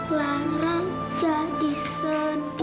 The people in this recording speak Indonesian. lara jadi sedih